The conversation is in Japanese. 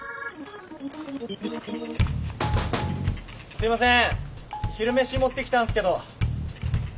すいません昼飯持ってきたんすけど。